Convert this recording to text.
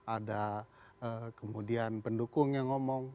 ada kemudian pendukung yang ngomong